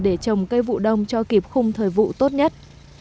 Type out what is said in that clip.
để trồng cây vụ đông cho kịp khung thời vụ tốt nhất